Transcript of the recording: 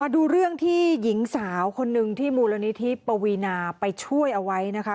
ดูเรื่องที่หญิงสาวคนหนึ่งที่มูลนิธิปวีนาไปช่วยเอาไว้นะคะ